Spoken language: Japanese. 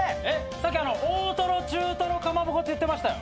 さっきあの大トロ中トロかまぼこって言ってましたよ。